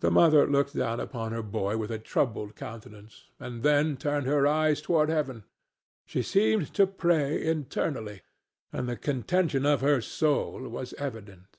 The mother looked down upon her boy with a troubled countenance, and then turned her eyes upward to heaven. She seemed to pray internally, and the contention of her soul was evident.